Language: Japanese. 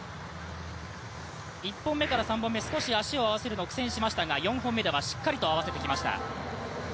１本目から３本目、足を合わせるのに苦戦しましたが４本目ではしっかりと合わせてきました。